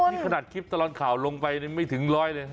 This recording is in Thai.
นี่ขนาดคลิปตลอดข่าวลงไปไม่ถึงร้อยเลย